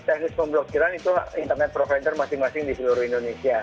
teknis pemblokiran itu internet provider masing masing di seluruh indonesia